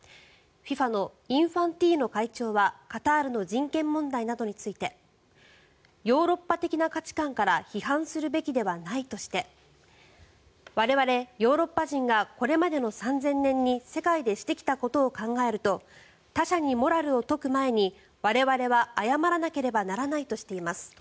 ＦＩＦＡのインファンティーノ会長はカタールの人権問題などについてヨーロッパ的な価値観から批判するべきではないとして我々ヨーロッパ人がこれまでの３０００年に世界でしてきたことを考えると他者にモラルを説く前に我々は謝らなければならないとしています。